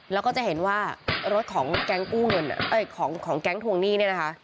แล้วก็จะเห็นว่ารถของแก๊งกู้เงินของแก๊งทวงหนี้เนี่ยนะคะ